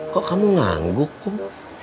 kok kamu ngangguk kum